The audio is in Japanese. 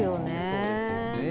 そうですよね。